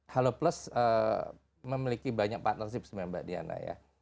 halo plus memiliki banyak partnership sebenarnya mbak diana ya